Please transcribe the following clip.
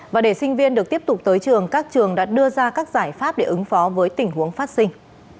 và để sinh viên được tiếp tục tới trường các trường đã đưa ra các giải pháp để ứng phó với tình huống phát sinh